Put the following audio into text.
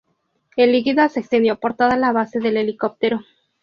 El líquido se extendió por toda la base del helicóptero.